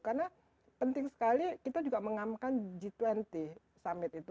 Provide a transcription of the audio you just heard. karena penting sekali kita juga mengamalkan g dua puluh summit itu